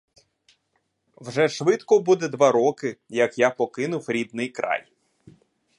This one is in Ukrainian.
Вже швидко буде два роки, як я покинув рідний край.